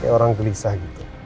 kayak orang gelisah gitu